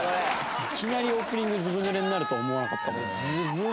いきなりオープニングずぶ濡れになるとは思わなかったもんね。